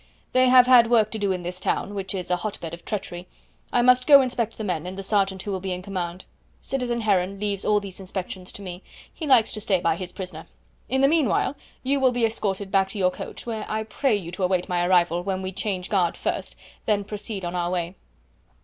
They have had work to do in this town, which is a hot bed of treachery. I must go inspect the men and the sergeant who will be in command. Citizen Heron leaves all these inspections to me; he likes to stay by his prisoner. In the meanwhile you will be escorted back to your coach, where I pray you to await my arrival, when we change guard first, then proceed on our way."